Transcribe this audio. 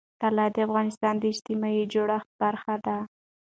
طلا د افغانستان د اجتماعي جوړښت برخه ده.